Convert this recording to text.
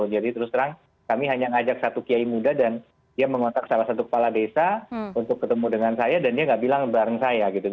jadi terus terang kami hanya ngajak satu kiai muda dan dia mengotak salah satu kepala desa untuk ketemu dengan saya dan dia gak bilang bareng saya gitu